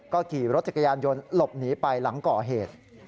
ก็ขี่รถจักรยานยนต์หลบหนีไปหลังก่อเหตุ